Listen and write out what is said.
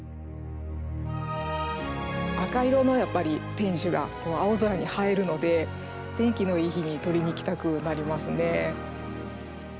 赤色の天守が青空に映えるのでお天気のいい日に撮りに来たくなりますね。